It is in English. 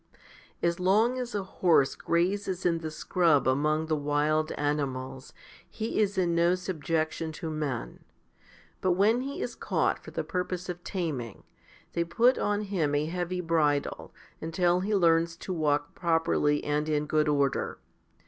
2. As long as a horse grazes in the scrub among the wild animals he is in no subjection to men; but when he is caught for the purpose of taming, they put on him a heavy bridle, until he learns to walk properly and in good order.